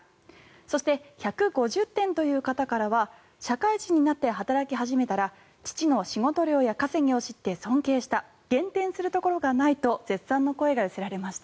そして、１５０点という方からは社会人になって働き始めたら父の仕事量や稼ぎを知って尊敬した減点するところがないと絶賛の声が寄せられました。